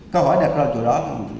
câu hỏi đẹp đó